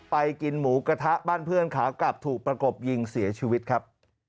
ไปกินหมูกระทะบ้านเพื่อนขากลับถูกประกบยิงเสียชีวิตครับ